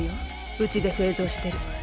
うちで製造してる。